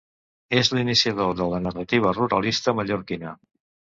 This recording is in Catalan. És l'iniciador de la narrativa ruralista mallorquina.